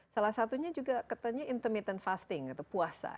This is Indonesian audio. salah satunya juga katanya intermittent fasting atau puasa